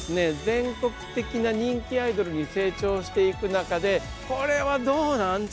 全国的な人気アイドルに成長していく中でこれはどうなん？